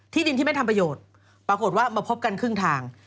ดินที่ไม่ทำประโยชน์ปรากฏว่ามาพบกันครึ่งทาง